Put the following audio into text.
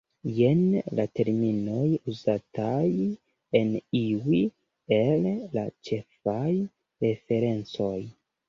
Jen la terminoj uzataj en iuj el la ĉefaj referencoj.